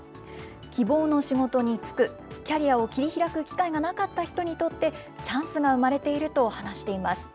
希望の仕事に就く、キャリアを切り開く機会がなかった人にとって、チャンスが生まれていると話しています。